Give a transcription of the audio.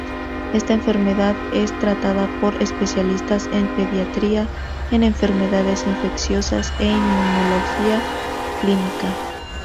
Esta enfermedad es tratada por especialistas en pediatría, en enfermedades infecciosas e inmunología clínica.